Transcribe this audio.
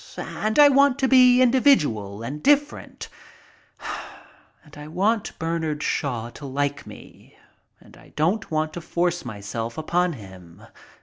And I want to be indi vidual and different. And I want Bernard Shaw to like me. And I don't want to force myself upon hin